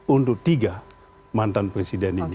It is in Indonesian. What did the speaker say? untuk tiga mantan presiden ini